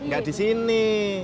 nggak di sini